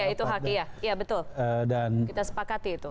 iya itu hak iya betul kita sepakati itu